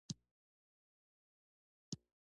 د مېلمنو لپاره ښه مېلمه پالنه وکړئ.